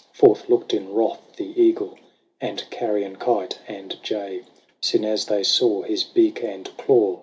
— Forth looked in wrath the eagle ; And carrion kite and jay. Soon as they saw his beak and claw.